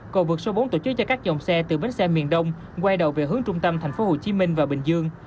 cầu vượt số bốn tổ chức cho các dòng xe từ bến xe miền đông quay đầu về hướng trung tâm tp hcm và bình dương